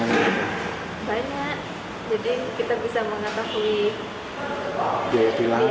jadi kita bisa mengetahui biaya tilangnya